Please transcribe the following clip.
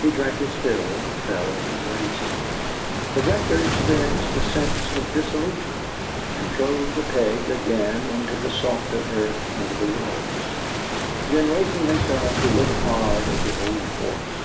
He drank his fill, and fell to grazing. The Rector experienced a sense of disillusionment, and drove the peg again into the softer earth under the willows; then raising himself, he looked hard at the old horse.